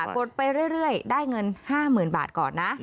กดไปเรื่อยได้เงิน๕๐๐๐บาทก่อนนะ